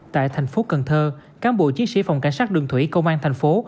tại thành phố cần thơ cán bộ chiến sĩ phòng cảnh sát đường thủy công an thành phố